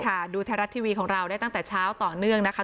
ดูไทยรัฐทีวีของเราได้ตั้งแต่เช้าต่อเนื่องนะคะ